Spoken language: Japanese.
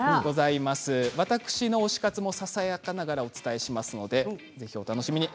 私の推し活も、ささやかながらお伝えしますのでお楽しみに。